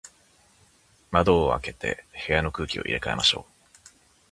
窓を開けて、部屋の空気を入れ替えましょう。